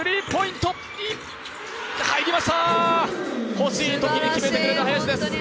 欲しいときに決めてくれた林です。